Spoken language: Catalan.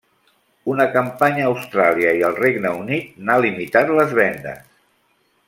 Una campanya a Austràlia i al Regne Unit n'ha limitat les vendes.